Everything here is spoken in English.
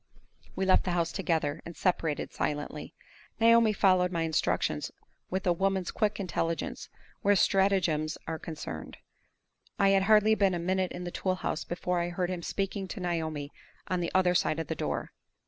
We left the house together, and separated silently. Naomi followed my instructions with a woman's quick intelligence where stratagems are concerned. I had hardly been a minute in the tool house before I heard him speaking to Naomi on the other side of the door.